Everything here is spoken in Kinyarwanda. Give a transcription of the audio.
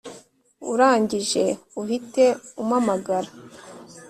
urangije uhite umamagara?